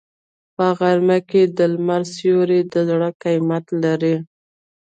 په غرمه کې د لمر سیوری د زر قیمت لري